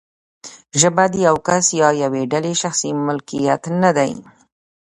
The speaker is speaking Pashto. ژبه د یو کس یا یوې ډلې شخصي ملکیت نه دی.